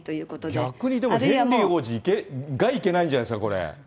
逆にでも、ヘンリー王子が行けないんじゃないですか、これ。